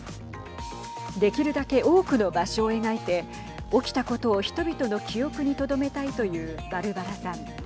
できるだけ多くの場所を描いて起きたことを人々の記憶にとどめたいというバルバラさん。